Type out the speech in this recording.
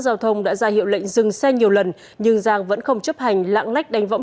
giao thông đã ra hiệu lệnh dừng xe nhiều lần nhưng giang vẫn không chấp hành lãng lách đánh võng